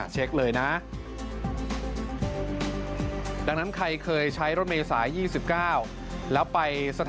เช็คเลยนะ